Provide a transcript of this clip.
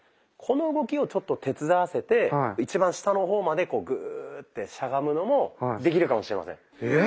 この動きをちょっと手伝わせて一番下の方までこうグーッてしゃがむのもできるかもしれません。